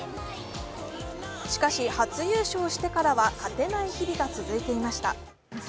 しかし初優勝してからは勝てない日々が続いていました。